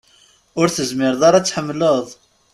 Ur tezmreḍ ara ad tḥemmleḍ ?